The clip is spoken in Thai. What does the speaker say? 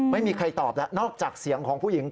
ไม่มีใครตอบแล้วนอกจากเสียงของผู้หญิง